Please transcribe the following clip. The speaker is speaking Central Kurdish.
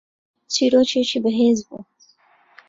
چیرۆکێکی بەهێز بوو